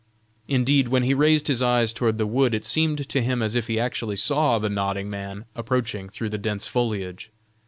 Indeed, when he raised his eyes toward the wood it seemed to him as if he actually saw the nodding man approaching through the dense foliage.